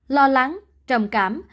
lo lắng trầm cảm